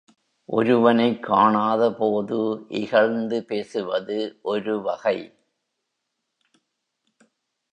ஒருவனைக் காணாதபோது இகழ்ந்து பேசுவது ஒரு வகை.